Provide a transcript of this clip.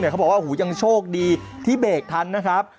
เขาบอกว่ายังโชคดีที่เบรกทันนะครับ